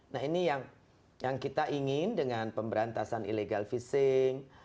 nah ini yang kita ingin dengan pemberantasan illegal fishing